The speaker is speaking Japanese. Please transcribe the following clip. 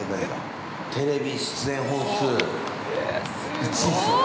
テレビ出演本数１位っすよね。